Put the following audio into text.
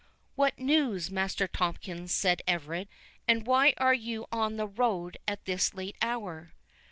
"What news, Master Tomkins?" said Everard; "and why are you on the road at this late hour?"